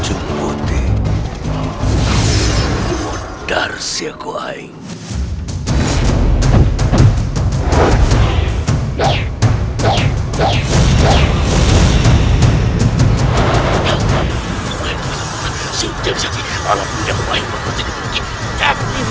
jika kamu membunuhku tadi kemudianmelepaskan aku baik